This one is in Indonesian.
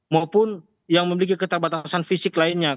maupun yang memiliki keterbatasan fisik lainnya